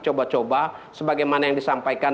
coba coba sebagaimana yang disampaikan